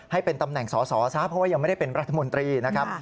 ให้เป็นตำแหน่งสอสอซะเพราะว่ายังไม่ได้เป็นรัฐมนตรีนะครับ